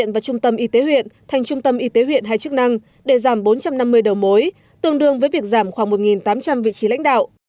và trung tâm y tế huyện thành trung tâm y tế huyện hay chức năng để giảm bốn trăm năm mươi đầu mối tương đương với việc giảm khoảng một tám trăm linh vị trí lãnh đạo